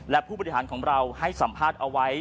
และผู้บริหารของเราให้สัมภาษณ์เอาไว้